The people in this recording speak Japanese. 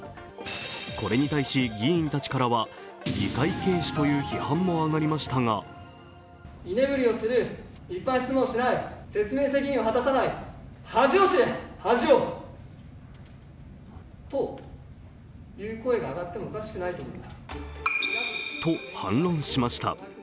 これに対し議員たちからは議会軽視という批判も上がりましたがと反論しました。